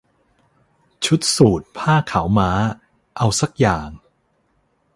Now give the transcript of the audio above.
ชุดสูท ผ้าขาวม้า เอาซักอย่าง